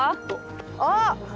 あっ！